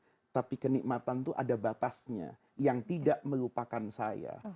tapi kenikmatan itu ada batasnya yang tidak melupakan saya